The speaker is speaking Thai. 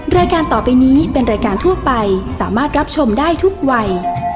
รายการต่อไปนี้เป็นรายการทั่วไปสามารถรับชมได้ทุกวัย